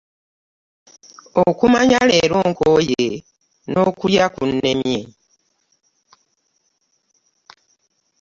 Okumanya leero nkooye n'okulya kunnemye.